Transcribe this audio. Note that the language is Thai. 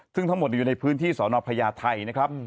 ซึ่งทั้งหมดอยู่ในพื้นที่สอนอพญาไทยนะครับ